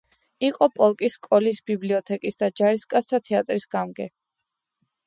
იყო პოლკის სკოლის ბიბლიოთეკის და ჯარისკაცთა თეატრის გამგე.